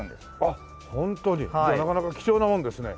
じゃあなかなか貴重なもんですね。